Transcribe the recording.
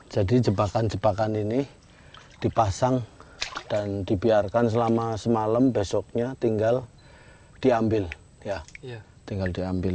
jadi jebakan jebakan ini dipasang dan dibiarkan selama semalam besoknya tinggal diambil